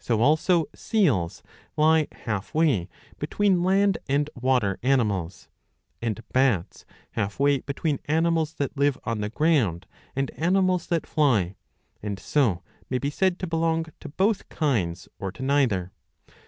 So also seals *^ lie half way between land and water animals, and bats half way between animals that live on the ground and animals that fly ; and so may be said to belong to both kinds or to neither.